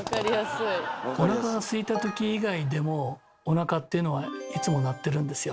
おなかがすいたとき以外でもおなかっていうのはいつも鳴ってるんですよ。